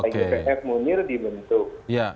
cgpf munir dibentuk